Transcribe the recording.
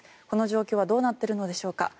この状況はどうなっているのでしょうか。